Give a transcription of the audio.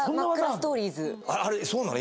ストーリーズ？